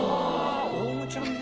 オウムちゃんね。